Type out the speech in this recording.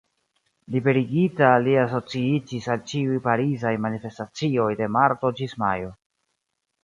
Liberigita li asociiĝis al ĉiuj parizaj manifestacioj de marto ĝis majo.